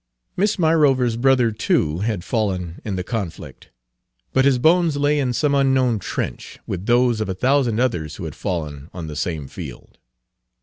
Miss Myrover's brother, too, had fallen in the conflict; but his bones lay in some unknown trench, with those of a thousand others who had fallen on the same field.